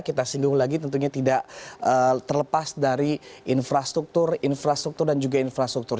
kita singgung lagi tentunya tidak terlepas dari infrastruktur infrastruktur dan juga infrastruktur